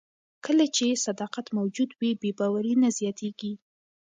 کله چې صداقت موجود وي، بې باوري نه زیاتیږي.